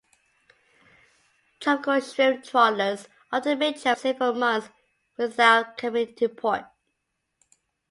Tropical shrimp trawlers often make trips of several months without coming to port.